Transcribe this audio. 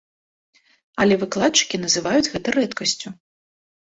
Але выкладчыкі называюць гэта рэдкасцю.